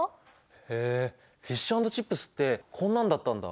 へえフィッシュ＆チップスってこんなんだったんだ。